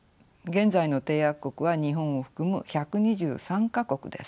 現在の締約国は日本を含む１２３か国です。